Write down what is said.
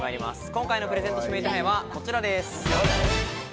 今回のプレゼント指名手配は、こちらです。